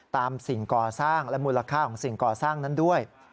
สิ่งก่อสร้างและมูลค่าของสิ่งก่อสร้างนั้นด้วย